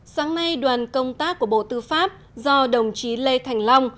sáng nay đoàn công tác của bộ tư pháp do đồng chí lê thành long